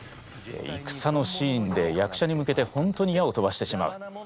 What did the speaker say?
いくさのシーンで役者に向けて本当に矢を飛ばしてしまう。